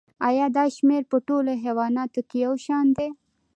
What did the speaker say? ایا دا شمیر په ټولو حیواناتو کې یو شان دی